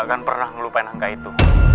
gue gak akan pernah ngelupain angga itu